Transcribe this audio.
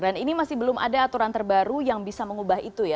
dan ini masih belum ada aturan terbaru yang bisa mengubah itu ya